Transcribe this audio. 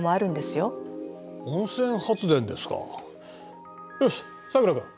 よしさくら君。